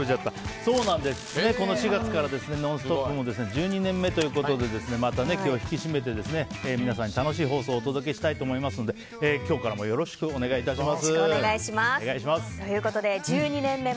この４月から「ノンストップ！」も１２年目ということでまた気を引き締めて皆さんに楽しい放送をお届けしたいと思いますので今日からもよろしくお願いいたします。